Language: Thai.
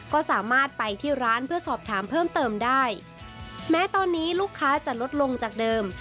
ก็สามารถไปที่ร้านเพื่อสอบถามเพิ่มเติมได้แม้ตอนนี้ลูกค้าจะลดลงจากเดิม